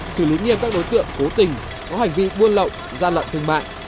xử lý nghiêm các đối tượng cố tình có hành vi buôn lậu ra lậu thương mại